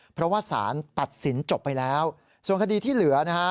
เพราะว่าสารตัดสินจบไปแล้วส่วนคดีที่เหลือนะฮะ